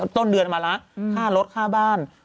ต้นเดือนมาแล้วค่ารถค่าบ้าน